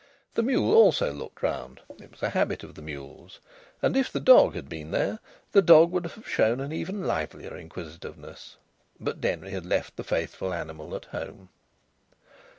The mule also looked round it was a habit of the mule's and if the dog had been there the dog would have shown an even livelier inquisitiveness; but Denry had left the faithful animal at home.